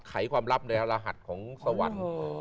ไขความลับในรหัสของสวรรค์